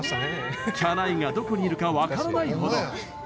きゃないが、どこにいるか分からないほど。